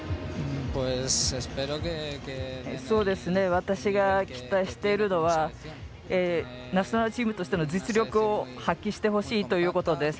私が期待しているのはナショナルチームとしての実力を発揮してほしいということです。